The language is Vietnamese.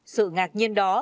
sự ngạc nhiên đó